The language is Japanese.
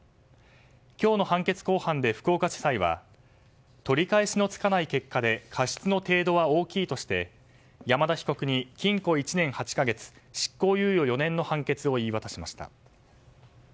今日の判決公判で福岡地裁は取り返しのつかない結果で過失の程度は大きいとして山田被告に禁固１年８か月執行猶予４年の判決を言い渡しました。